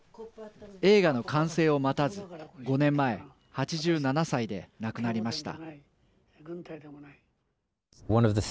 映画の完成を待たず５年前８７歳で亡くなりました。